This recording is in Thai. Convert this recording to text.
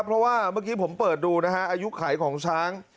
เพราะว่าเมื่อกี้ผมเปิดดูนะฮะอายุไขของช้าง